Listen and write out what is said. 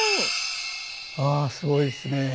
ああすごいですねえ。